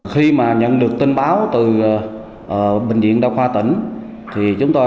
khi mà nhận được tin báo từ bệnh viện đa khoa tỉnh